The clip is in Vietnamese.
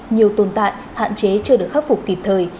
nhiều tồn tại hạn chế chưa được khắc phục kịp thời